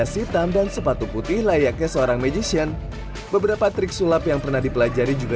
hitam dan sepatu putih layaknya seorang magission beberapa trik sulap yang pernah dipelajari juga